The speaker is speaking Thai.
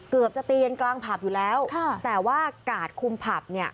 เกือบจะตีกันกลางผับอยู่แล้วค่ะแต่ว่ากาดคุมผับเนี่ย